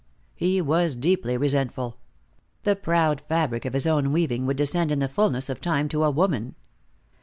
He was deeply resentful. The proud fabric of his own weaving would descend in the fullness of time to a woman.